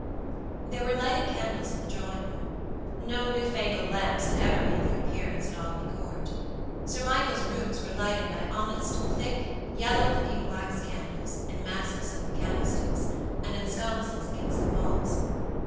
There were lighted candles in the drawing room. No new fangled lamps had ever made their appearance at Audley Court. Sir Michael's rooms were lighted by honest, thick, yellow looking wax candles, in massive silver candlesticks, and in sconces against the walls.